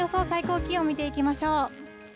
最高気温、見ていきましょう。